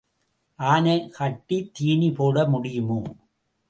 ஆனை கட்டித் தீனி போட முடியுமோ?